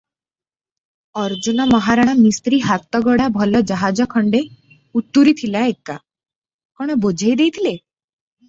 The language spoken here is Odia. ଅର୍ଜୁନ ମହାରଣା ମିସ୍ତ୍ରୀ ହାତଗଢ଼ା ଭଲ ଜାହାଜ ଖଣ୍ଡେ ଉତୁରିଥିଲା ଏକା- କଣ ବୋଝେଇ ଦେଇଥିଲେ?